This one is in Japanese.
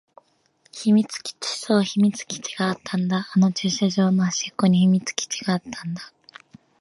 秘密基地。そう、秘密基地があったんだ。あの駐車場の隅っこに秘密基地があったんだ。